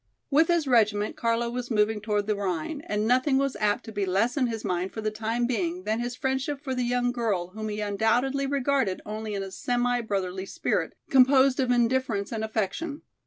With his regiment Carlo was moving toward the Rhine and nothing was apt to be less in his mind for the time being than his friendship for the young girl whom he undoubtedly regarded only in a semi brotherly spirit composed of indifference and affection.